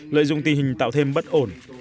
lợi dụng tình hình tạo thêm bất ổn